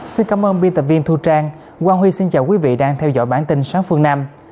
xin cảm ơn biên tập viên thu trang quang huy xin chào quý vị đang theo dõi bản tin sáng phương nam